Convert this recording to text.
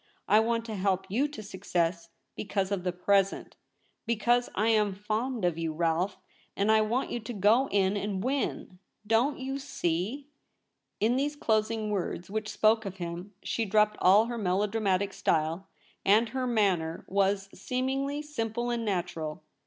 I want to help you to success because of the present ; be cause I am fond of you, Rolfe ; and I want you to go in and win — don't you see ?' In these closing words, which spoke of him, she dropped all her melodramatic style, and her LITER A SCRIPT A. 241 manner was, seemingly, simple and natural.